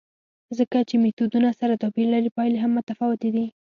ځکه چې میتودونه سره توپیر لري، پایلې هم متفاوتې دي.